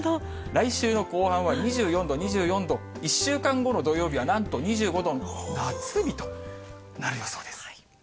来週の後半は２４度、２４度、１週間後の土曜日は、なんと２５度の夏日となる予想です。